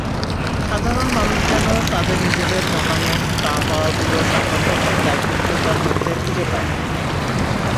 সাধারণ মানুষ যেন তাঁদের নিজেদের মতামত, চাওয়া-পাওয়াগুলো সংবাদপত্রের দায়িত্বশীলতার মধ্যে খুঁজে পায়।